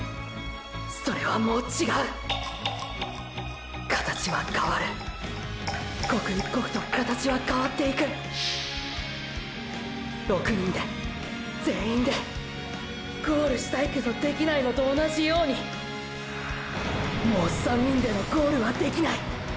それはもう違う形は変わる刻一刻と形は変わっていく６人で全員でゴールしたいけどできないのと同じようにもう３人でのゴールはできない！！